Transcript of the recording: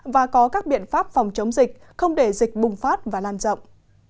và có các biện pháp phòng chống dịch không để dịch bùng phát và lan rộng